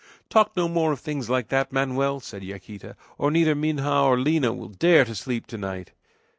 "Talk no more of things like that, Manoel," said Yaquita, "or neither Minha nor Lina will dare sleep to night."